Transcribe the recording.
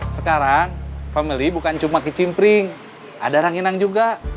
sekarang family bukan cuma ke jimbering ada ranginang juga